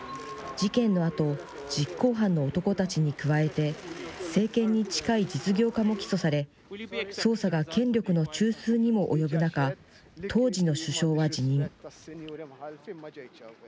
事件のあと、実行犯の男たちに加えて、政権に近い実業家も起訴され、捜査が権力の中枢にも及ぶ中、当時の首相は辞任。